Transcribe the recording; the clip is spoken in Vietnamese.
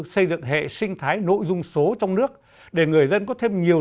xây dựng hệ sinh thái nội dung số trong nước để người dân có thêm nhiều